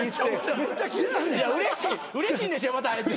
うれしいんでしょまた会えて。